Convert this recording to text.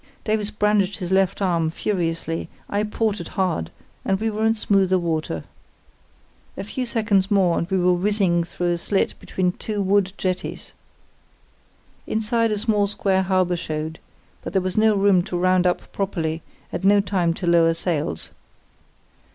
Davies brandished his left arm furiously; I ported hard, and we were in smoother water. A few seconds more and we were whizzing through a slit between two wood jetties. Inside a small square harbour showed, but there was no room to round up properly and no time to lower sails.